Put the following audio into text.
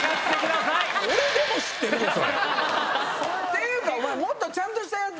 っていうかお前もっとちゃんとしたやつ。